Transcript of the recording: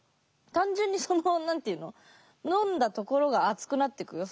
単純にその何て言うの飲んだところが熱くなってくよ